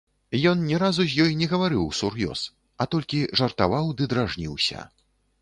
Ён ні разу з ёй не гаварыў усур'ёз, а толькі жартаваў ды дражніўся.